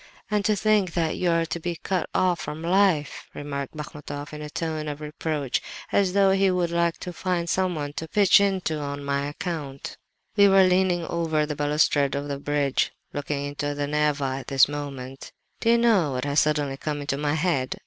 "'And to think that you are to be cut off from life!' remarked Bachmatoff, in a tone of reproach, as though he would like to find someone to pitch into on my account. "We were leaning over the balustrade of the bridge, looking into the Neva at this moment. "'Do you know what has suddenly come into my head?